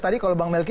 tadi kalau bang melki